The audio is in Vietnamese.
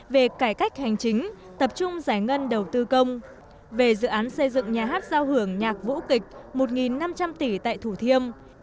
về cải cách hành chính tập trung giải ngân đầu tư công về dự án xây dựng nhà hát giao hưởng nhạc vũ kịch một năm trăm linh tỷ tại thủ thiêm